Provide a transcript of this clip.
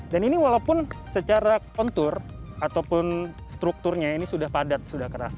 dan ini walaupun secara kontur ataupun strukturnya ini sudah padat sudah keras